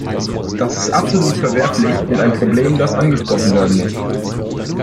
Das ist absolut verwerflich und ein Problem, das angesprochen werden muss.